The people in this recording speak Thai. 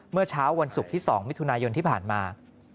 เมื่อเช้าวันศุกร์ที่๒มิถุนายนที่ผ่านมา